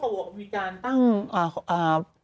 คือตอนนี้เขาบอกว่ามีการตั้ง